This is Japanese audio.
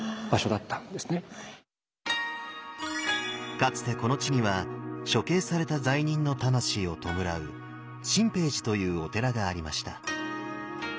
かつてこの地には処刑された罪人の魂を弔う心平寺というお寺がありました。